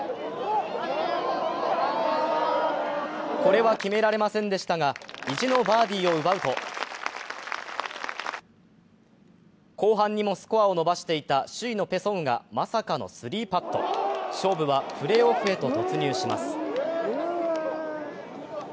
これは決められませんでしたが、意地のバーディーを奪うと、後半にもスコアを伸ばしていた首位のペ・ソンウがまさかの３パット、勝負はプレーオフへと突入します。